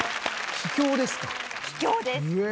秘境です。